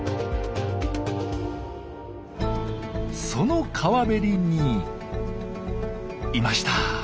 その川べりにいました！